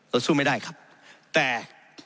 สู้ไม่ได้ครับแต่